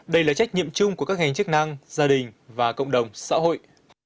đây là trách nhiệm chung của các ngành chức năng gia đình và cộng đồng xã hội